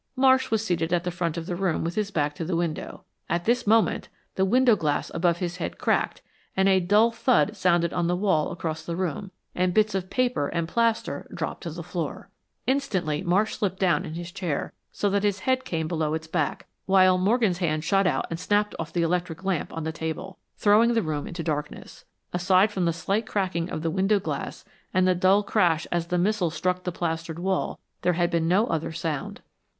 Marsh was seated at the front of the room with his back to the window. At this moment the window glass above his head cracked, a dull thud sounded on the wall across the room, and bits of paper and plaster dropped to the floor. Instantly Marsh slipped down in his chair, so that his head came below its back, while Morgan's hand shot out and snapped off the electric lamp on the table, throwing the room into darkness. Aside from the slight cracking of the window glass, and the dull crash as the missile struck the plastered wall, there had been no other sound.